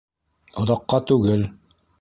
Оҙаҡҡа түгел.